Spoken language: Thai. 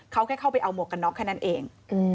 เขาแค่เข้าไปเอาหมวกกันน็อกแค่นั้นเอง